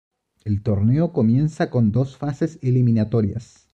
El torneo comienza con dos fases eliminatorias.